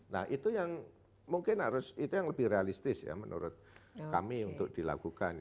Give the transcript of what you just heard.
nah itu yang mungkin harus itu yang lebih realistis ya menurut kami untuk dilakukan